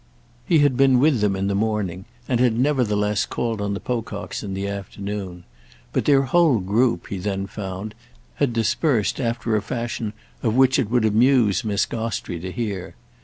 He had been with them in the morning and had nevertheless called on the Pococks in the afternoon; but their whole group, he then found, had dispersed after a fashion of which it would amuse Miss Gostrey to hear.